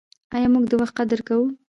آیا موږ د وخت قدر کوو؟